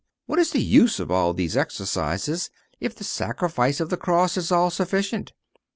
What is the use of all these exercises, if the sacrifice of the cross is all sufficient?